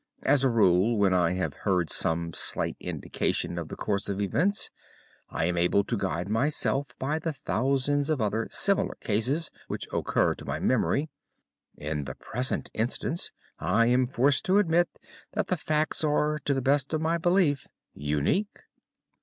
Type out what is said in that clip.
As a rule, when I have heard some slight indication of the course of events, I am able to guide myself by the thousands of other similar cases which occur to my memory. In the present instance I am forced to admit that the facts are, to the best of my belief, unique."